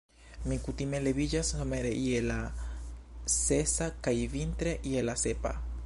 Mi kutime leviĝas somere je la sesa kaj vintre je la sepa.